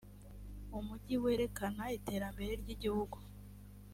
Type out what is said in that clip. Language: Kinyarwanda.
umujyi werekana iterambere ryigihugu.